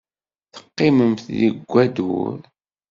Teqqimemt deg wadur.